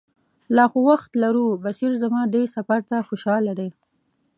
لا خو وخت لرو، بصیر زما دې سفر ته خوشاله دی.